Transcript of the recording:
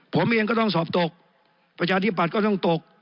ผมเองก็ต้องสอบตกประชาธิบัติก็ต้องตก